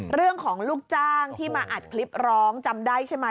เรื่องของลูกจ้างที่มาอัดคลิปร้องจำได้ใช่ไหม